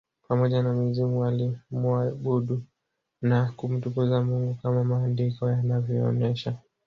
Pamoja na mizimu walimuabudu na kumtukuza Mungu kama maandiko yanavyoonesha